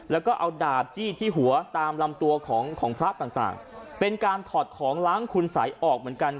แล้วก็เอาดาบจี้ที่หัวตามลำตัวของของพระต่างเป็นการถอดของล้างคุณสัยออกเหมือนกัน